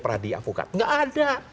peradik avokat tidak ada